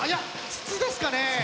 筒ですかね。